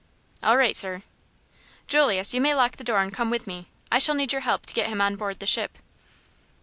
"All right, sir." "Julius, you may lock the door and come with me. I shall need your help to get him on board the ship."